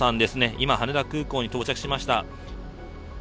今、羽田空港に到着しました。